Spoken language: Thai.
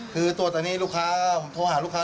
คือตัวตอนนี้ลูกค้าผมโทรหาลูกค้า